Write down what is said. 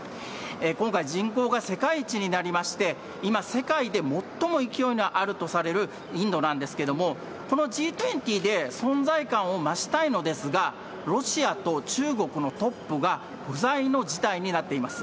今回、人口が世界一になりまして、今、世界で最も勢いのあるとされるインドなんですけれども、このＧ２０で存在感を増したいのですが、ロシアと中国のトップが不在の事態になっています。